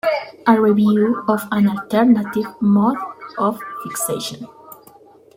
A review of an alternative mode of fixation.